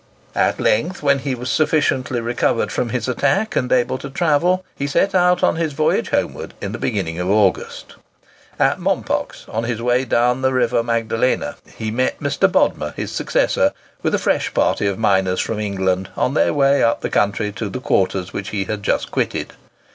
At length, when he was sufficiently recovered from his attack and able to travel, he set out on his voyage homeward in the beginning of August. At Mompox, on his way down the river Magdalena, he met Mr. Bodmer, his successor, with a fresh party of miners from England, on their way up the country to the quarters which he had just quitted.